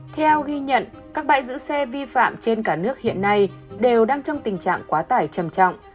theo ghi nhận các bãi giữ xe vi phạm trên cả nước hiện nay đều đang trong tình trạng quá tải trầm trọng